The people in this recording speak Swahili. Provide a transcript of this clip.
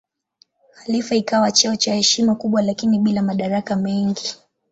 Khalifa ikawa cheo cha heshima kubwa lakini bila madaraka mengi.